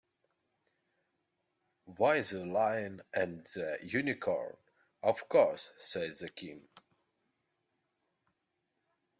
‘Why the Lion and the Unicorn, of course,’ said the King.